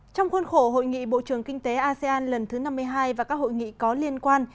trong khuôn khổ hội nghị bộ trưởng kinh tế asean lần thứ năm mươi hai và các hội nghị có liên quan